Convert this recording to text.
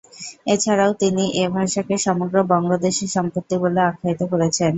এছাড়াও তিনি এ ভাষাকে সমগ্র বঙ্গদেশের সম্পত্তি বলে আখ্যায়িত করেছেন।